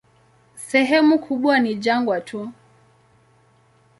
Sehemu kubwa ni jangwa tu.